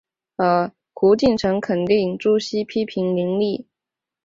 胡晋臣肯定朱熹批评林栗。